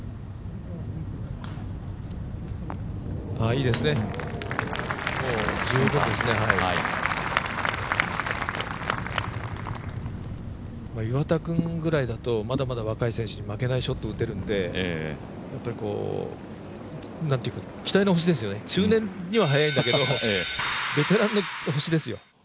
いいですね、もう十分ですね岩田君ぐらいだと、まだまだ若い選手に負けないぐらいのショットを打てるんで期待の星ですよね、中年には早いんだけどベテランの星ですよ。